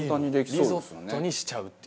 リゾットにしちゃうっていう。